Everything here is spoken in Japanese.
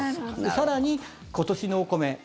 更に、今年のお米